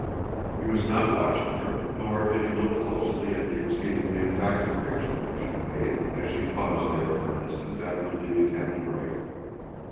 He was not watching her, nor did he look closely at the exceedingly attractive picture which she made as she paused there for an instant after leaving Captain Rifle.